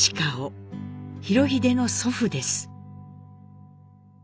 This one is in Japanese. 裕英の祖父です。